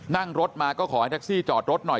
นั่งรถมาก็ขอให้แท็กซี่จอดรถหน่อย